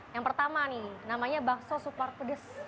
yang pertama nih namanya bakso super pedes